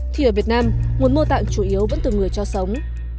thì ở việt nam nguồn mô tạng chủ yếu vẫn từ người cho sống